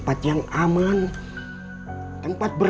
kita bisa lepas semua masalah yuk